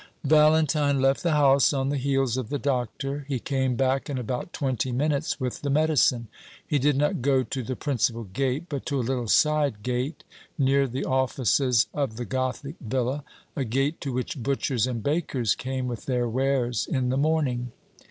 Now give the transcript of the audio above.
Valentine left the house on the heels of the Doctor. He came back in about twenty minutes with the medicine. He did not go to the principal gate, but to a little side gate, near the offices of the gothic villa a gate to which butchers and bakers came with their wares in the morning.